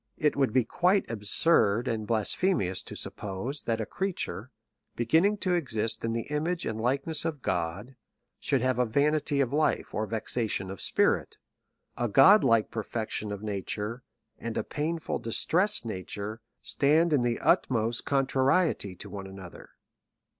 It would be quite absurd and blas phemous to suppose, that a creature, beginning to exist in the image and likeness of God, should have a vanity of life, or vexation of spirit. A god like per fection of nature, and a painful distressed nature, stand in the utmost contrariety to one another.